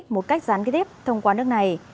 một cách gián kế tiếp thông qua nước này